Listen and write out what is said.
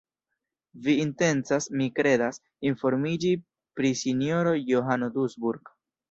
Vi intencas, mi kredas, informiĝi pri sinjoro Johano Dusburg.